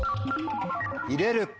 「入れる」。